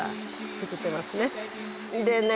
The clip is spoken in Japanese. でね